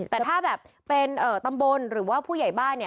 แต่ถ้าแบบเป็นตำบลหรือว่าผู้ใหญ่บ้าน